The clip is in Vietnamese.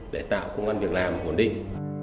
để tạo công an việc làm nguồn định